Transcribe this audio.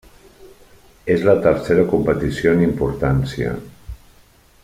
És la tercera competició en importància.